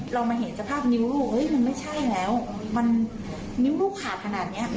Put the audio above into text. เรามาเห็นสภาพนิ้วลูกมันไม่ใช่แล้วมันนิ้วลูกขาดขนาดนี้